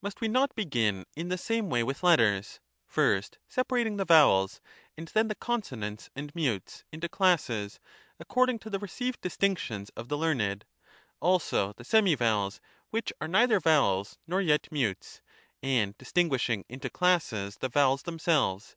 Must we not begin in the same way with letters ; first separating the vowels, and then the consonants and mutes ^ into classes, according to the received distinctions of the learned ; also the semi vowels, which are neither vowels, nor yet mutes ; and distinguishing into classes the vowels themselves?